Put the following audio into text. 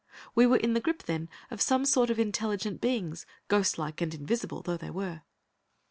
We were in the grip, then, of some sort of intelligent beings, ghost like and invisible though they were.